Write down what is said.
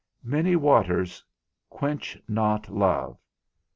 _Many waters quench not love.